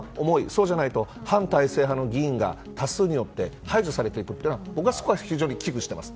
そうじゃないと反体制派の議員が多数によって排除されていくこと僕はそこは非常に危惧してます。